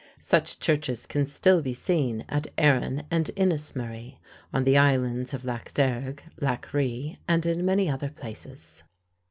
Such churches can still be seen at Aran and Inismurray, on the islands of Lough Derg, Lough Ri, and in many other places.